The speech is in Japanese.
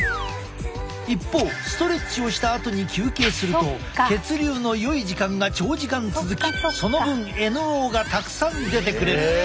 一方ストレッチをしたあとに休憩すると血流のよい時間が長時間続きその分ＮＯがたくさん出てくれる。